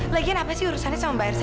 lagian apa sih urusannya sama mbak ersi